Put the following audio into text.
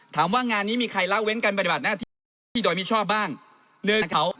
ถามว่างานนี้มีใครรักเว้นการบริบัติหน้าที่โดยไม่ชอบบ้าง